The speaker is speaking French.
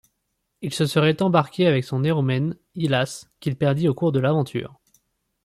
Il se serait embarqué avec son éromène, Hylas, qu'il perdit au cours de l'aventure.